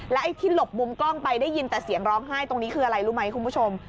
ไอ้ที่หลบมุมกล้องไปได้ยินแต่เสียงร้องไห้ตรงนี้คืออะไรรู้ไหมคุณผู้ชม